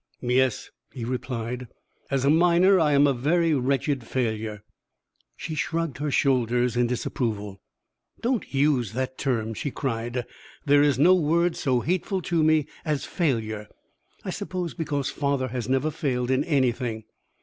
"Yes," he replied; "as a miner, I am a very wretched failure." She shrugged her shoulders in disapproval. "Don't use that term!" she cried. "There is no word so hateful to me as 'failure' I suppose, because father has never failed in anything.